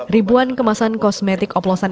ribuan kemasan kosmetik oplosan